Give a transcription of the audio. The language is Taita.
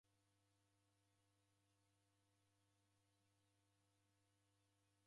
Dikaenda aja ni Kidaw'ida kiduu.